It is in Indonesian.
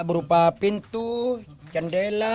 berupa pintu jendela